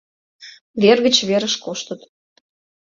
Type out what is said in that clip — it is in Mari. Вер гыч верыш коштыт.